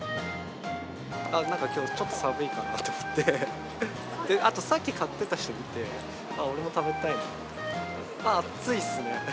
きょうちょっと寒いかなと思って、あと、さっき買ってた人見て、あっ、俺も食べたいなって。